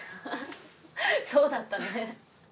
あははそうだったね。